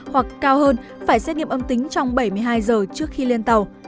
hoặc cao hơn phải xét nghiệm âm tính trong bảy mươi hai giờ trước khi lên tàu